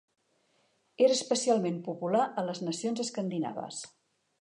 Era especialment popular a les nacions escandinaves.